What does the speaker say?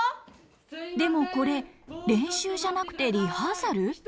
でもこれ練習じゃなくてリハーサル？